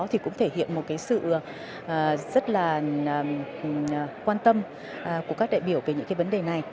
thì cũng thể hiện một sự rất là quan tâm của các đại biểu về những vấn đề này